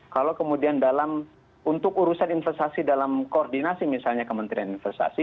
kalau kemudian dalam untuk urusan investasi dalam koordinasi misalnya kementerian investasi